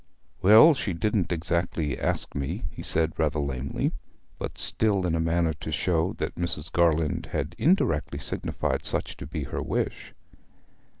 'Well, she didn't exactly ask me,' he said rather lamely, but still in a manner to show that Mrs. Garland had indirectly signified such to be her wish.